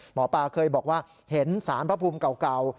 หมอปลาเคยบอกว่าเห็นสารพระภูมิเก่า